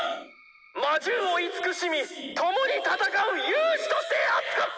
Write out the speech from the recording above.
魔獣を慈しみ共に戦う勇士として扱った！